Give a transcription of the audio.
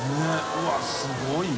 うわすごいな。